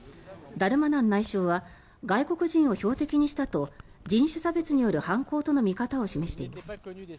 ダルマナン内相は外国人を標的にしたと人種差別による犯行との見方を示しています。